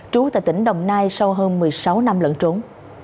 trú tại tỉnh đồng nai sau hơn một mươi sáu năm lẫn trốn